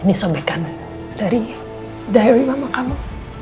ini sobekan dari diary mama kamu